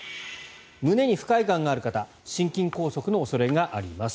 胸に不快感がある方心筋梗塞の恐れがあります。